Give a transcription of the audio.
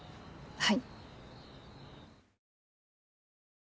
はい。